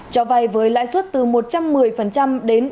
cho vay với lãi suất từ một trăm một mươi đến ba trăm sáu mươi đồng